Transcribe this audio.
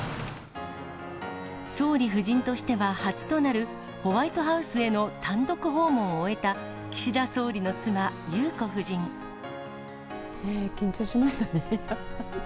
総理夫人としては初となる、ホワイトハウスへの単独訪問を終えた岸田総理の妻、緊張しましたね。